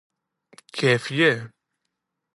Κι έφυγε;